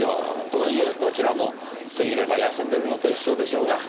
とはいえどちらも過ぎれば休んでるのと一緒でしょうが。